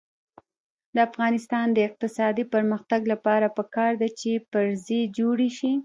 د افغانستان د اقتصادي پرمختګ لپاره پکار ده چې پرزې جوړې شي.